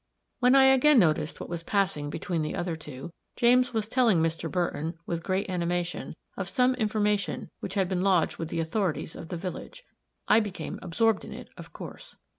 When I again noticed what was passing between the other two, James was telling Mr. Burton, with great animation, of some information which had been lodged with the authorities of the village. I became absorbed in it, of course.